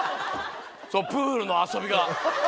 そのプールの遊びが。